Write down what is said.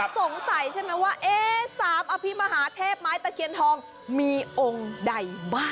สงสัยใช่ไหมว่า๓อภิมหาเทพไม้ตะเคียนทองมีองค์ใดบ้าง